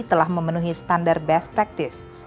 telah memenuhi standar best practice